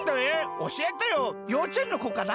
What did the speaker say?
おしえてよ。ようちえんのこかな？